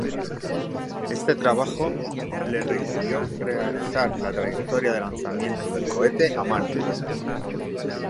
Este trabajo le requirió realizar la trayectoria de lanzamiento del cohete a mano.